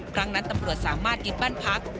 ครั้งนั้นตำรวจสามารถยึดบ้านพัก